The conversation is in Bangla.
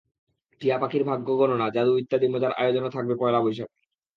টিয়া পাখির ভাগ্য গণনা, জাদু ইত্যাদি মজার আয়োজনও থাকবে পয়লা বৈশাখে।